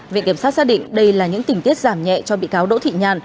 viện kiểm sát xác định đây là những tình tiết giảm nhẹ cho bị cáo đỗ thị nhàn